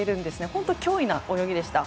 本当に驚異の泳ぎでした。